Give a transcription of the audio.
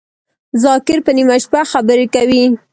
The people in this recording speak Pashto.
ذاکر په نیمه شپه خبری کوی